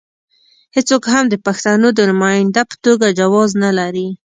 هېڅوک هم د پښتنو د نماینده په توګه جواز نه لري.